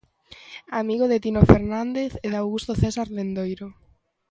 Amigo de Tino Fernández e de Augusto César Lendoiro.